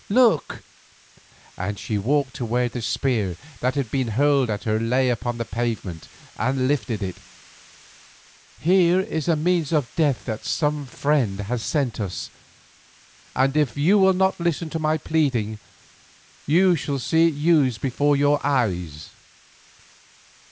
Look," and she walked to where the spear that had been hurled at her lay upon the pavement and lifted it, "here is a means of death that some friend has sent us, and if you will not listen to my pleading you shall see it used before your eyes.